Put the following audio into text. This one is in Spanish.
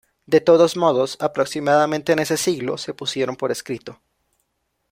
De todos modos, aproximadamente en ese siglo se pusieron por escrito.